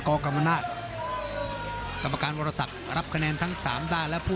ขอบคุณครับคุณภัย